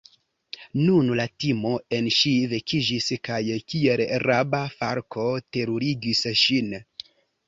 Nun la timo en ŝi vekiĝis kaj kiel raba falko terurigis ŝin.